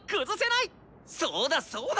そうだそうだ！